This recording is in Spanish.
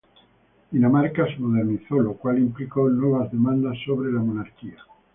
Dinamarca se modernizó, lo cual implicó nuevas demandas sobre la monarquía.